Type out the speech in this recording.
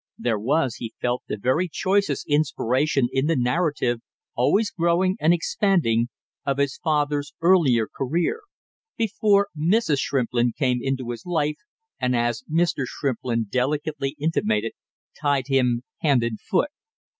There was, he felt, the very choicest inspiration in the narrative, always growing and expanding, of his father's earlier career, before Mrs. Shrimplin came into his life, and as Mr. Shrimplin delicately intimated, tied him hand and foot.